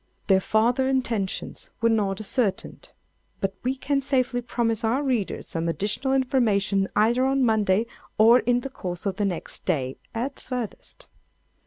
Their farther intentions were not ascertained; but we can safely promise our readers some additional information either on Monday or in the course of the next day, at farthest.